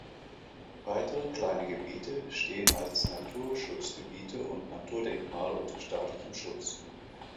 Weitere kleinere Gebiete stehen als Naturschutzgebiete und Naturdenkmale unter staatlichem Schutz.